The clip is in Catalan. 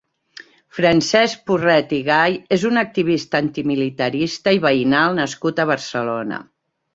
Francesc Porret i Gay és un activista antimilitarista i veïnal nascut a Barcelona.